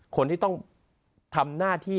คนที่ต้องทำหน้าที่